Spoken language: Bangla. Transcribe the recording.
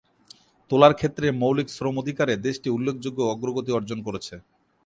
তুলার ক্ষেতে মৌলিক শ্রম অধিকারে দেশটি উল্লেখযোগ্য অগ্রগতি অর্জন করেছে।